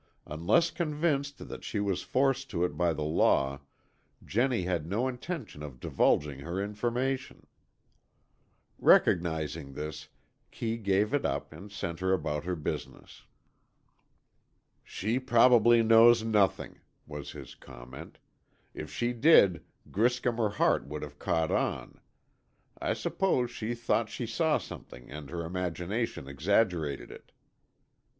Unless convinced that she was forced to it by the law, Jennie had no intention of divulging her information. Recognizing this, Kee gave it up and sent her about her business. "She probably knows nothing," was his comment. "If she did, Griscom or Hart would have caught on. I suppose she thought she saw something and her imagination exaggerated it."